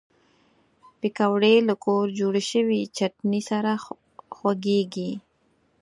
پکورې له کور جوړ شوي چټني سره خوږېږي